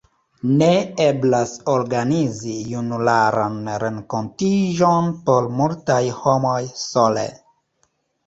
Ne eblas organizi junularan renkontiĝon por multaj homoj sole.